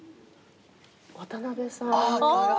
渡邊さん。